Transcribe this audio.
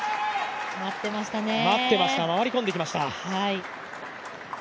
待ってました、回り込んできました